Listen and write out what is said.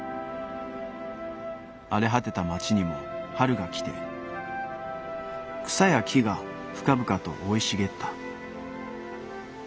あれはてた町にも春が来て草や木が深々と生いしげった。